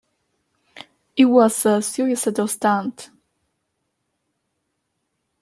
It was a suicidal stunt.